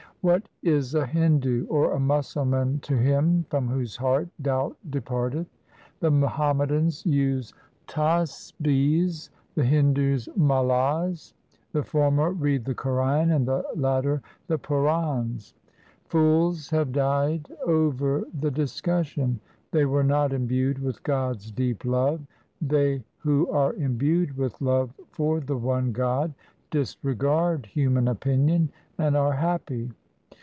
What is a Hindu or a Musalman to him From whose heart doubt departeth ? The Muhammadans use tasbis, 1 the Hindus malas ; 1 The former read the Quran and the latter the Purans. Fools have died over the discussion ; They were not imbued with God's deep love. They who are imbued with love for the one God, Disregard human opinion and are happy.